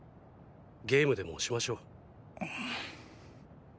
ゲームでもしましょう。